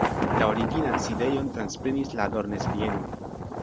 La originan sidejon transprenis la Adornes-bieno.